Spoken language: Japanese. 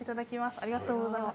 ありがとうございます。